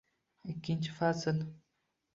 Ikkinchi fasl